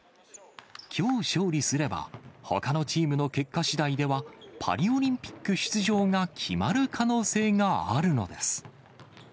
きょう勝利すれば、ほかのチームの結果しだいでは、パリオリンピック出場が決まる可能性があるのです。